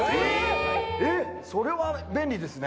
えっそれは便利ですね。